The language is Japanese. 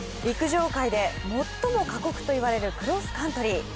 陸上界で最も過酷といわれるクロスカントリー。